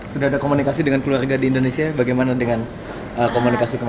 sudah ada komunikasi dengan keluarga di indonesia bagaimana dengan komunikasi kemarin